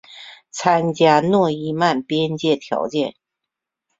参见诺伊曼边界条件。